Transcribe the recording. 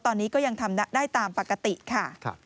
ตอนนี้ก็ยังทำได้ตามปกติค่ะ